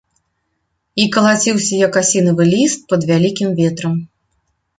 І калаціўся як асінавы ліст пад вялікім ветрам.